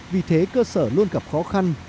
vì thế cơ sở luôn gặp khó khăn